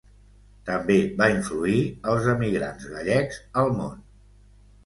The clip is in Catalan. També va influir els emigrants gallecs al món.